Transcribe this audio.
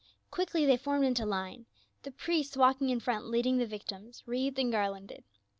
Quickly they formed into line, the priests walking in front leading the \ ictims, wreathed and garlanded.